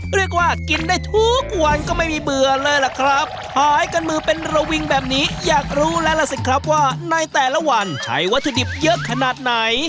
เรียกว่ากินได้ทุกวันก็ไม่มีเบื่อเลยล่ะครับขายกันมือเป็นระวิงแบบนี้อยากรู้แล้วล่ะสิครับว่าในแต่ละวันใช้วัตถุดิบเยอะขนาดไหน